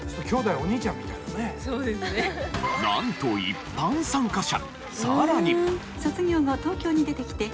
なんと一般参加者。